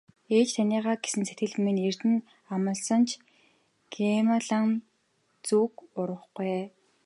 Ээж таныгаа гэсэн сэтгэл минь эрдэнэ амласан ч Гималайн зүг урвахгүй ээ.